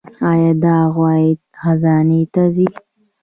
آیا دا عواید خزانې ته ځي؟